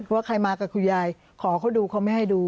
ว่าใครมากับคุณยายขอเขาดูเขาไม่ให้ดู